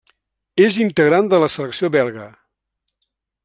És integrant de la selecció belga.